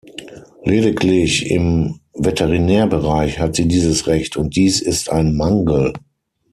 Lediglich im Veterinärbereich hat sie dieses Recht, und dies ist ein Mangel.